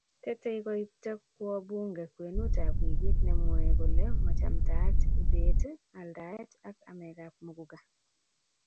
tetei koipto kowo bunge kwenutab wikit nemwoei kole mochamtaat ibet, aldaet ak amekab muguka